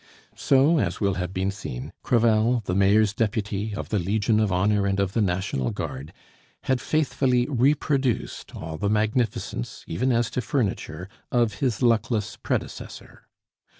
So, as will have been seen, Crevel, the Mayor's deputy, of the Legion of Honor and of the National Guard, had faithfully reproduced all the magnificence, even as to furniture, of his luckless predecessor.